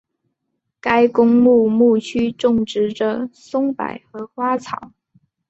该公墓墓区种植着松柏和花草。